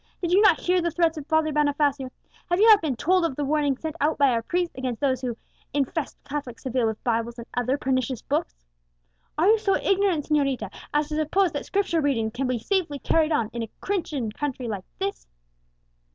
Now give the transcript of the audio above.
"Did you not hear the threats of Father Bonifacio; have you not been told of the warning sent out by our priests against those who 'infest Catholic Seville with Bibles and other pernicious books'? Are you so ignorant, señorita, as to suppose that Scripture readings can be safely carried on in a Christian country like this?"